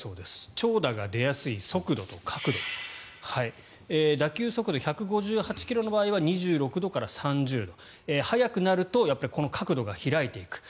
長打が出やすい速度と角度打球速度１５８ｋｍの場合は２６度から３０度速くなるとこの角度が開いていく。